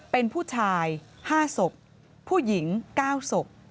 เป็นผู้ชาย๕ศพผู้หญิง๙ศพ